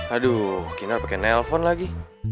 aduh kena pake nelfon lagi